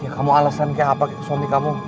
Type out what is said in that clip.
kamu alasan kayak apa suami kamu